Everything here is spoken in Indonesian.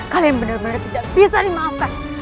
kalian benar benar tidak bisa di maafkan